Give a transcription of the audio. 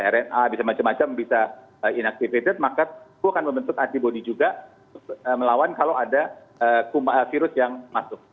rna bisa macam macam bisa inactivated maka itu akan membentuk antibody juga melawan kalau ada virus yang masuk